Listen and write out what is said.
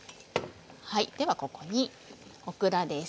ではここにオクラです。